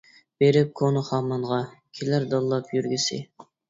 بېرىپ كونا خامانغا، كېلەر دانلاپ يۈرگۈسى.